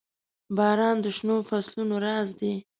• باران د شنو فصلونو راز دی.